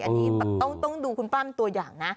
อันนี้ต้องดูคุณปล้ำตัวอย่างนะ